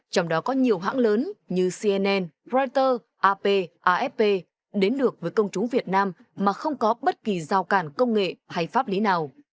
trong đó có nhiều hãng lớn như cnn reuters ap afp đến được với công chúng việt nam mà không có bất kỳ rào cản công nghệ hay pháp lý nào